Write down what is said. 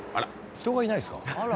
人がいないですか。